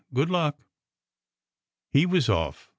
Good luck!" He was off.